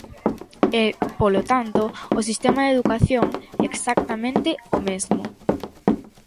E, polo tanto, o sistema de educación, exactamente o mesmo.